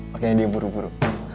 makanya dia buru buru